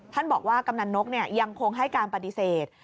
บอกว่ากำนันนกยังคงให้การปฏิเสธ